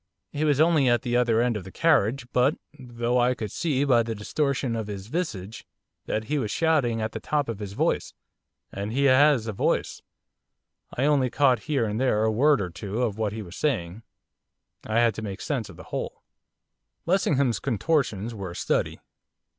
He was only at the other end of the carriage, but though I could see by the distortion of his visage that he was shouting at the top of his voice, and he has a voice, I only caught here and there a word or two of what he was saying. I had to make sense of the whole. Lessingham's contortions were a study.